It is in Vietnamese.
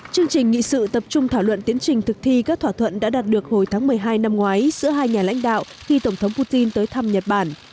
chương trình nghị sự tập trung thảo luận tiến trình thực thi các thỏa thuận đã đạt được hồi tháng một mươi hai năm ngoái giữa hai nhà lãnh đạo khi tổng thống putin tới thăm nhật bản